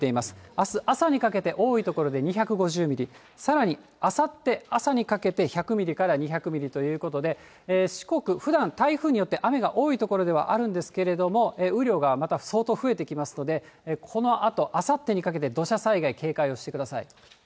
あす朝にかけて多い所で２５０ミリ、さらにあさって朝にかけて、１００ミリから２００ミリということで、四国、ふだん台風によって雨が多い所ではあるんですけれども、雨量がまた相当増えてきますので、このあとあさってにかけて、土砂災害警戒をしてください。